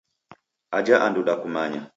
Aja andu dakumanya.